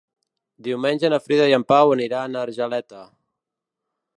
Diumenge na Frida i en Pau aniran a Argeleta.